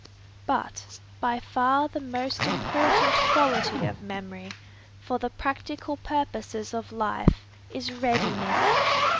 But, by far the most important quality of memory, for the practical purposes of life, is readiness.